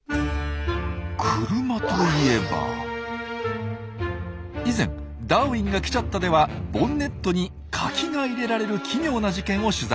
車といえば以前「ダーウィンが来ちゃった」ではボンネットに柿が入れられる奇妙な事件を取材。